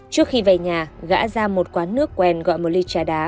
trước khi về nhà gã ra một quán nước quen gọi một ly trà đá